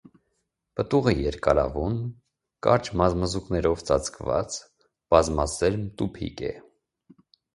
Պտուղը երկարավուն, կարճ մազմզուկներով ծածկված, բազմասերմ տուփիկ է։